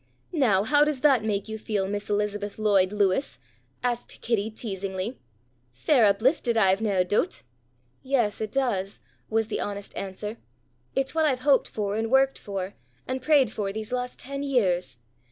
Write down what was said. "Now how does that make you feel, Miss Elizabeth Lloyd Lewis?" asked Kitty teasingly. "Fair uplifted, I've nae doot." "Yes, it does," was the honest answer. "It's what I've hoped for and worked for and prayed for these last ten years.